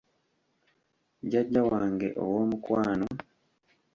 Jjajja wange owoomukwano?